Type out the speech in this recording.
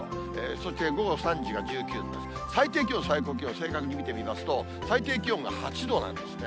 そして午後３時が１９度、最低気温、最高気温、正確に見てみますと、最低気温が８度なんですね。